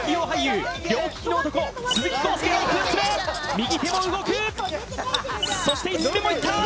右手も動くそして５つ目もいった！